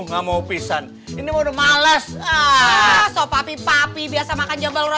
sampai jumpa di video selanjutnya